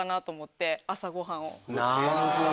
なるほど！